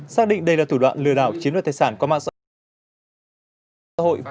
xác định đây là thủ đoạn lừa đảo chiếm đoạt tài sản qua mạng xã hội